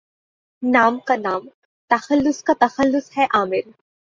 নাম কা নাম, তাখাল্লুস কা তাখাল্লুস হ্যায় আমির